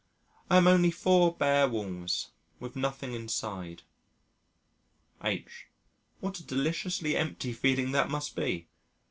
I am only four bare walls, with nothing inside." H.: "What a deliciously empty feeling that must be.